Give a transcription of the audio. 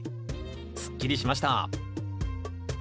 すっきりしました。